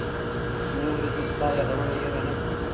مورې، زه ستا یادونه هېره نه کوم.